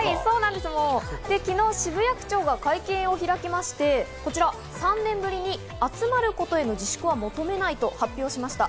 昨日、渋谷区長が会見を開きまして、こちら３年ぶりに集まることへの自粛は求めないと発表しました。